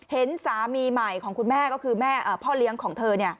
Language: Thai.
เห็นสามีใหม่ของคุณแม่ก็คือพ่อเลี้ยงของเธอ